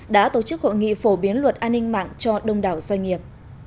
đã tổ chức hội nghị phổ biến luật an ninh mạng cho đông đảo doanh nghiệp